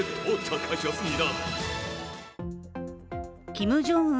キム・ジョンウン